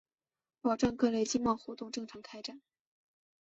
保障各类经贸活动正常开展